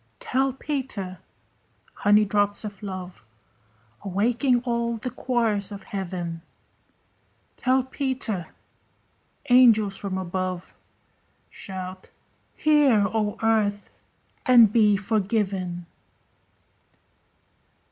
"Tell Peter!" Honey drops of love, Awaking all the choirs of heaven! "Tell Peter" angels from above Shout, "Hear, O earth, and be forgiven!"